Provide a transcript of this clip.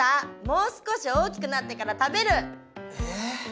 もう少し大きくなってから食べる！え？